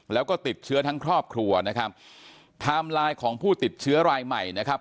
แล้วก็ติดเชื้อทั้งครอบครัวนะครับไทม์ไลน์ของผู้ติดเชื้อรายใหม่นะครับ